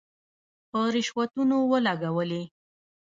په رشوتونو ولګولې.